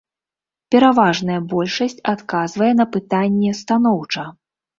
Пераважная большасць адказвае на пытанне станоўча.